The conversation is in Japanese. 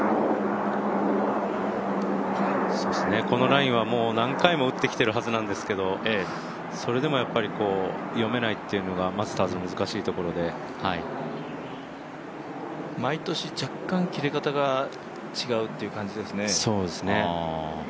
このラインは何回も打ってきているはずなんですけどそれでも読めないというのがマスターズの難しいところで毎年若干切れ方が違うという感じですね。